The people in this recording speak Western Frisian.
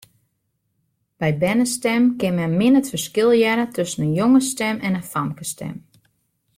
By bernestimmen kin men min it ferskil hearre tusken in jongesstim en in famkesstim.